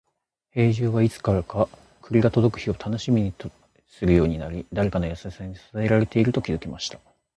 兵十は、いつからか栗が届く日を楽しみにするようになり、誰かの優しさに支えられていると気づきました。